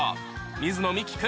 水野美紀君